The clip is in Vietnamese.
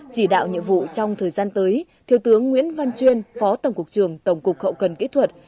chỉ đạo nhiệm vụ trong thời gian tới thiếu tướng nguyễn văn chuyên phó tổng cục trường tổng cục hậu cần kỹ thuật